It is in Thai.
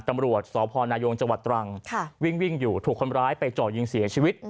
ตำรวจสพนายงจังหวัดตรังวิ่งอยู่ถูกคนร้ายไปเจาะยิงเสียชีวิต